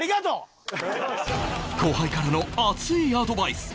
後輩からの熱いアドバイス